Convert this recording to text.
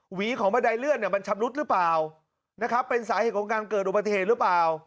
หวีของบันไดเลื่อนเนี่ยมันชำรุดหรือเปล่านะครับเป็นสาเหตุของการเกิดอุบัติเหตุหรือเปล่า